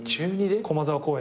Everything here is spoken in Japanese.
駒沢公園で。